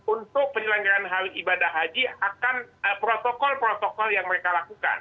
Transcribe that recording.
untuk penyelenggaran ibadah haji akan protokol protokol yang mereka lakukan